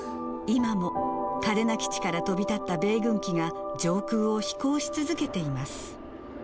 今も嘉手納基地から飛び立った米軍機が、上空を飛行し続けています。